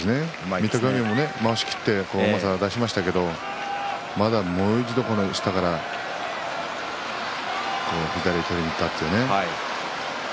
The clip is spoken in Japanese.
御嶽海もまわしを切ってうまさを出しましたけどもう一度、下から左を取りにいったというね。